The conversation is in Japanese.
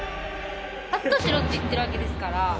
カットしろって言ってるわけですから。